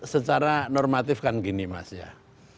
secara normatif kan gini mas ya